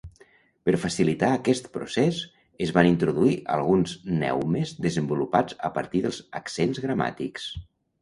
Per facilitar aquest procés, es van introduir alguns neumes desenvolupats a partir dels accents gramàtics.